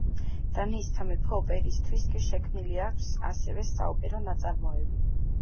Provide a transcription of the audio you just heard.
დანიის სამეფო ოპერისთვის კი შექმნილი აქვს ასევე საოპერო ნაწარმოები.